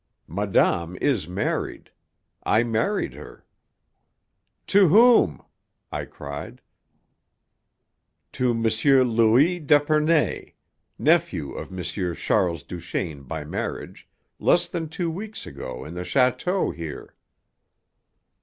Madame is married. I married her " "To whom?" I cried. "To M. Louis d'Epernay, nephew of M. Charles Duchaine by marriage, less than two weeks ago in the château here."